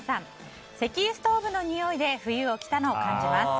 石油ストーブのにおいで冬が来たのを感じます。